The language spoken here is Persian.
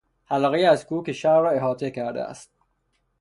حلقهای از کوه که شهر را احاطه کرده است